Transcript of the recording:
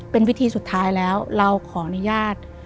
เป็นวิธีสุดท้ายแล้วเราขออนุญาต